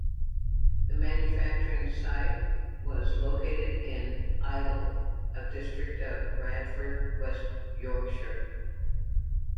The manufacturing site was located in Idle, a district of Bradford, West Yorkshire.